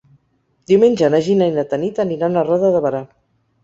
Diumenge na Gina i na Tanit aniran a Roda de Berà.